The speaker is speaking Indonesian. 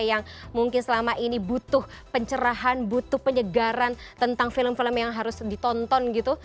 yang mungkin selama ini butuh pencerahan butuh penyegaran tentang film film yang harus ditonton gitu